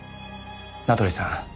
名取さん